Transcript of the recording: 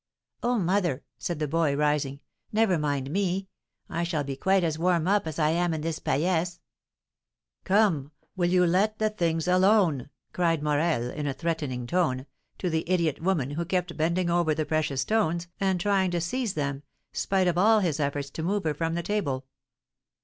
"Oh, mother," said the boy, rising, "never mind me. I shall be quite as warm up as I am in this paillasse." "Come, will you let the things alone?" cried Morel, in a threatening tone, to the idiot woman, who kept bending over the precious stones and trying to seize them, spite of all his efforts to move her from the table.